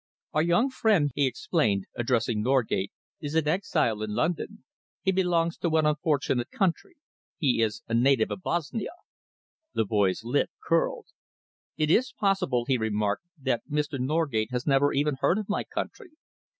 "Our young friend," he explained, addressing Norgate, "is an exile in London. He belongs to an unfortunate country. He is a native of Bosnia." The boy's lip curled. "It is possible," he remarked, "that Mr. Norgate has never even heard of my country.